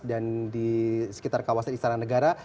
dan di sekitar kawasan istana negara